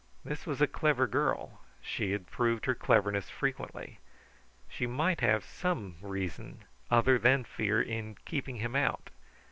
This was a clever girl; she had proved her cleverness frequently. She might have some reason other than fear in keeping him out.